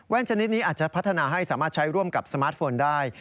ชนิดนี้อาจจะพัฒนาให้สามารถใช้ร่วมกับสมาร์ทโฟนได้